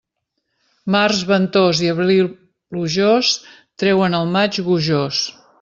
Març ventós i abril plujós treuen el maig gojós.